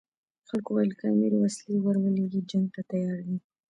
خلکو ویل که امیر وسلې ورولېږي جنګ ته تیار دي.